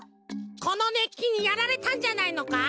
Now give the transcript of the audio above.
このねっきにやられたんじゃないのか？